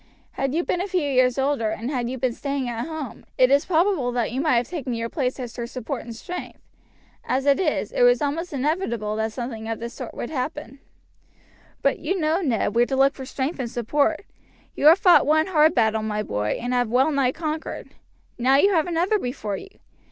Had you been a few years older, and had you been staying at home, it is probable that you might have taken your place as her support and strength. As it is, it was almost inevitable that something of this sort would happen. "But you know, Ned, where to look for strength and support. You have fought one hard battle, my boy, and have well nigh conquered; now you have another before you.